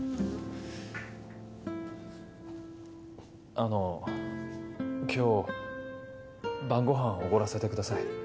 あの今日晩ごはんおごらせてください。